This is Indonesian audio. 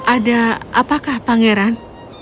ada apakah pangeran